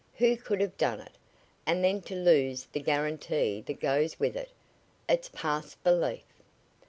Who could have done it? And then to lose the guarantee that goes with it! It's past belief!"